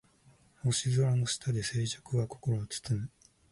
星空の下で静寂が心を包む